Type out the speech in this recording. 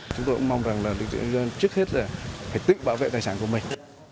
chúng tôi cũng mong rằng là đối tượng trước hết là phải tự bảo vệ tài sản của mình